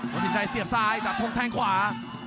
สินชัยเสียบซ้ายดับทงแทงขวา